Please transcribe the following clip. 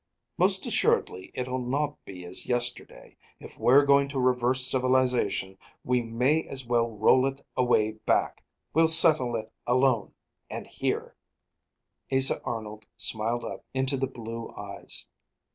"Most assuredly it'll not be as yesterday. If we're going to reverse civilization, we may as well roll it away back. We'll settle it alone, and here." Asa Arnold smiled up into the blue eyes.